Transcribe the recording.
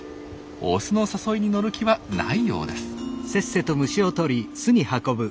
オスの誘いに乗る気はないようです。